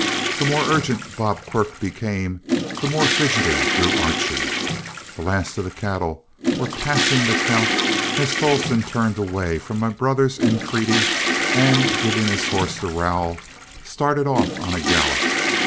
The more urgent Bob Quirk became, the more fidgety grew Archie. The last of the cattle were passing the count as Tolleston turned away from my brother's entreaty, and giving his horse the rowel, started off on a gallop.